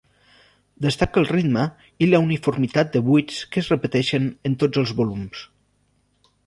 Destaca el ritme i la uniformitat de buits que es repeteixen en tots els volums.